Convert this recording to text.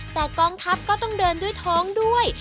แต่กองทัพก็ต้องเดินด้วยท้องด้วย